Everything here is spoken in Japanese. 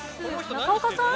中岡さん。